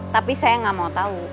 tapi saya gak mau tau